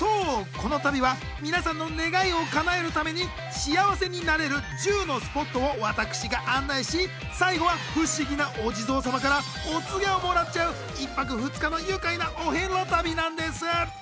この旅は皆さんの願いを叶えるために「幸せになれる１０のスポット」を私が案内し最後は不思議なお地蔵様からお告げをもらっちゃう１泊２日の愉快なお遍路旅なんです